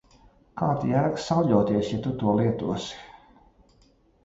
Kāda jēga sauļoties, ja tu to lietosi?